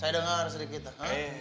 saya dengar sedikit kan